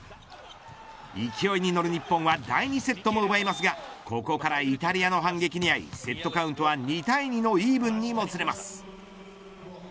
勢いに乗る日本は第２セットも奪いますがここからイタリアの反撃にあいセットカウントは２対２のイーブンにもつれます。